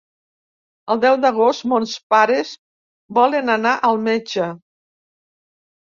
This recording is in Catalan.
El deu d'agost mons pares volen anar al metge.